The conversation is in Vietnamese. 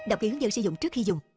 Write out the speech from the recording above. đọc ký hướng dân sử dụng trước khi dùng